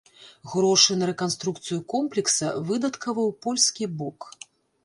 Грошы на рэканструкцыю комплекса выдаткаваў польскі бок.